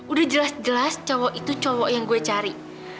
udah jelas jelas cowok itu cowok yang gue cari